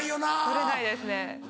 取れないですね。